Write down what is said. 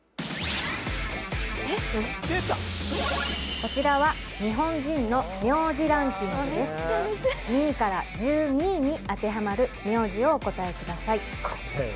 こちらは日本人の名字ランキングです２位から１２位に当てはまる名字をお答えください